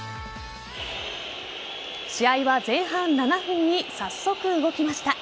試合は前半７分に早速、動きました。